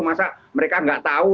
masa mereka nggak tahu